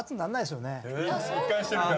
一貫してるから。